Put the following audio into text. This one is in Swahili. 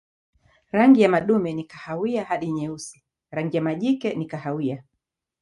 Rangi ya madume ni kahawia hadi nyeusi, rangi ya majike ni kahawia.